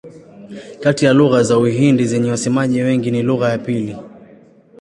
Kati ya lugha za Uhindi zenye wasemaji wengi ni lugha ya pili.